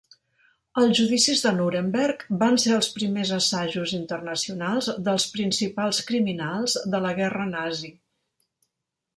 Els judicis de Nuremberg van ser els primers assajos internacionals dels principals criminals de la guerra nazi.